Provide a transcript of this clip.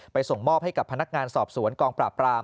ส่งมอบให้กับพนักงานสอบสวนกองปราบราม